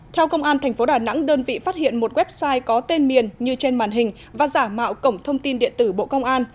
theo công an tp đà nẵng đơn vị phát hiện một website có tên miền như trên màn hình và giả mạo cổng thông tin điện tử bộ công an